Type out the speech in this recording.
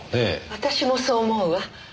私もそう思うわ。